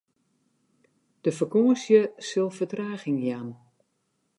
De fakânsje sil fertraging jaan.